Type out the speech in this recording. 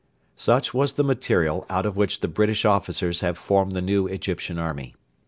Such was the material out of which the British officers have formed the new Egyptian army.